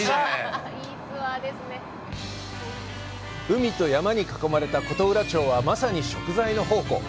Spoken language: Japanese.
海と山に囲まれた琴浦町は、まさに食材の宝庫！